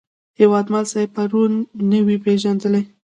هیوادمل صاحب پرون نه وې پېژندلی.